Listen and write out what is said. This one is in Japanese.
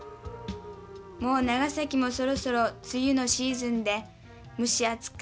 もう長崎もそろそろ梅雨のシーズンで蒸し暑か。